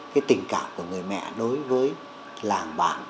cái tình cảm của người mẹ đối với làng bản